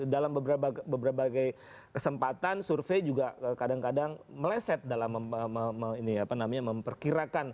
dalam beberapa kesempatan survei juga kadang kadang meleset dalam memperkirakan